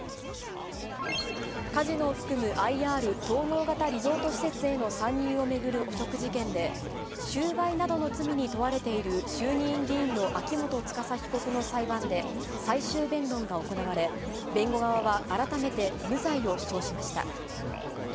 カジノを含むＩＲ・統合型リゾート施設への参入を巡る汚職事件で、収賄などの罪に問われている衆議院議員の秋元司被告の裁判で、最終弁論が行われ、弁護側は改めて無罪を主張しました。